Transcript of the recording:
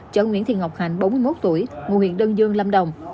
chở nguyễn thị ngọc hạnh bốn mươi một tuổi ngụ huyện đơn dương lâm đồng